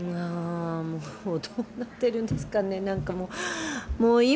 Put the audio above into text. もう、どうなってるんですかね、なんかもう。